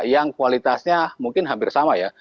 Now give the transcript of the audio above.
yang kualitasnya mungkin hampir sama ya